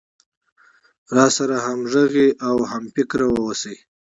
راسره همغږى او هم فکره اوسي.